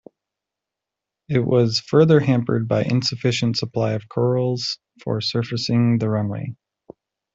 It was further hampered by insufficient supply of corals for surfacing the runway.